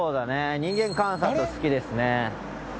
人間観察が好きですね。